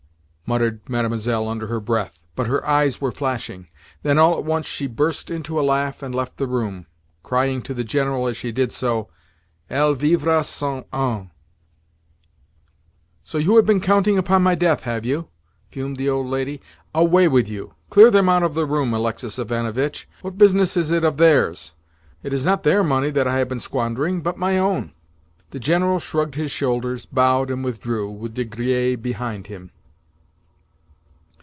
muttered Mlle. under her breath, but her eyes were flashing. Then all at once she burst into a laugh and left the room—crying to the General as she did so: "Elle vivra cent ans!" "So you have been counting upon my death, have you?" fumed the old lady. "Away with you! Clear them out of the room, Alexis Ivanovitch. What business is it of theirs? It is not their money that I have been squandering, but my own." The General shrugged his shoulders, bowed, and withdrew, with De Griers behind him.